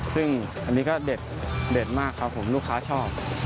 ซึ่งอันนี้ก็เด็ดมากครับผมลูกค้าจะมี๒อย่าง